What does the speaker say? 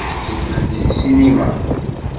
Ddukklen-d seg ssinima.